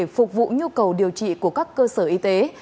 phục vụ nhu cầu điều trị của các cơ sở y tế